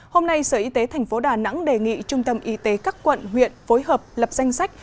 hôm nay sở y tế tp đà nẵng đề nghị trung tâm y tế các quận huyện phối hợp lập danh sách